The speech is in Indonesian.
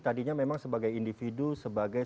tadinya memang sebagai individu sebagai